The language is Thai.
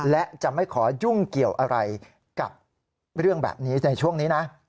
และจะไม่ขอยุ่งเกี่ยวอะไรกับเรื่องแบบนี้ในช่วงนี้นะ